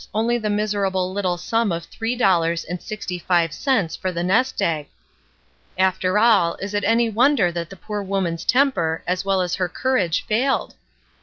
only the miserable little sum of three dollars and sixty five cents for the nest egg. After all, is it any wonder that the poor woman's temper, as well as her courage, failed?